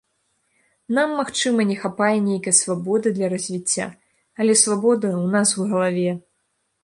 Нам, магчыма, не хапае нейкай свабоды для развіцця, але свабода ў нас у галаве.